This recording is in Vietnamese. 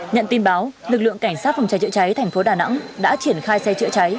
nhận tin báo lực lượng cảnh sát phòng cháy chữa cháy thành phố đà nẵng đã triển khai xe chữa cháy